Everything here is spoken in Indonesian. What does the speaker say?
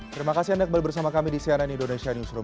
terima kasih anda kembali bersama kami di cnn indonesia newsroom